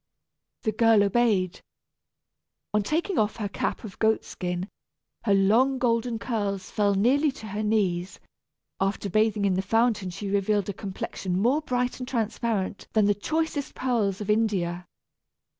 The girl obeyed. On taking off her cap of goat skin her long golden curls fell nearly to her knees. After bathing in the fountain she revealed a complexion more bright and transparent than the choicest pearls of India.